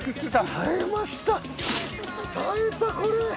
耐えたこれ。